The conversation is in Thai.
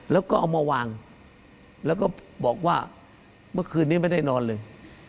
แล้วก็เอามาวางแล้วก็บอกว่าเมื่อคืนนี้ไม่ได้นอนเลย